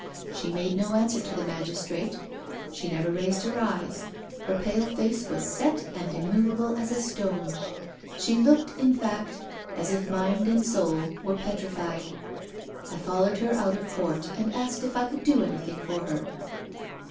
She made no answer to the magistrate — she never raised her eyes — her pale face was set and immovable as a stone; she looked, in fact, as if mind and soul were petrified. I followed her out of court, and asked if I could do anything for her.